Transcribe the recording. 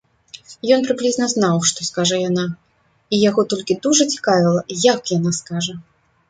Ён прыблізна знаў, што скажа яна, і яго толькі дужа цікавіла, як яна скажа.